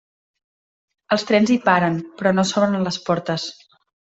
Els trens hi paren, però no s'obren les portes.